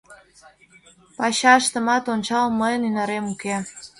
Пачаштымат ончал, мыйын ӱнарем уке.